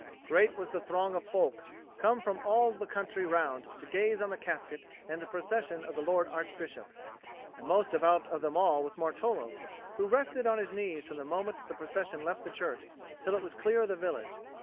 Great was the throng of folk, come from all the country round to gaze on the casket and on the procession of the Lord Archbishop; and most devout of them all was Martolo, who rested on his knees from the moment the procession left the church till it was clear of the village.